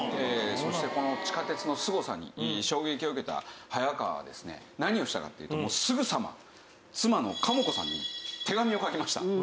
そしてこの地下鉄のすごさに衝撃を受けた早川はですね何をしたかっていうともうすぐさま妻の軻母子さんに手紙を書きました。